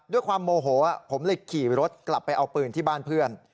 ด้วยความโมโหผมเลยขี่รถกลับไปเอาปืนที่บ้านเพื่อน